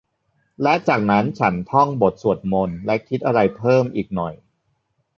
และจากนั้นฉันท่องบทสวดมนต์และคิดอะไรเพิ่มอีกหน่อย